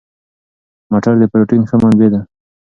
مټر د پروتین ښه منبع ده.